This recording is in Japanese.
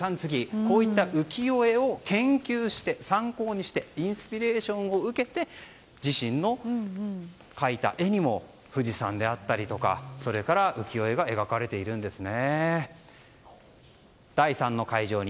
こういった浮世絵を研究して参考にしてインスピレーションを受けて自身の描いた絵にも富士山であったりそれから浮世絵が描かれているんですね。